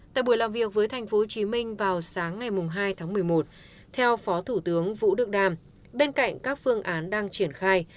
tại buổi làm việc với tp hcm vào sáng ngày hai tháng một mươi một theo phó thủ tướng vũ đức đam bên cạnh các phương án đang triển khai